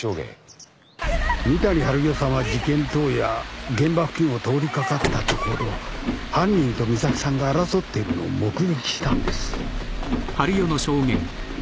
三谷治代さんは事件当夜現場付近を通り掛かったところ犯人と美咲さんが争ってるのを目撃したんです。